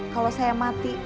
kalau saya mati